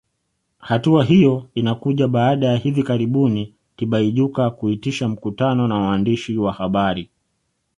Hatua hiyo inakuja baada ya hivi karibuni Tibaijuka kuitisha mkutano na waandishi wa habari